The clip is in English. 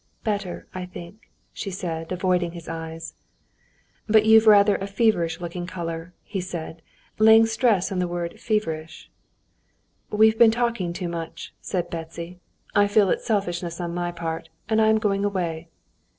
"Better, I think," she said, avoiding his eyes. "But you've rather a feverish looking color," he said, laying stress on the word "feverish." "We've been talking too much," said Betsy. "I feel it's selfishness on my part, and I am going away."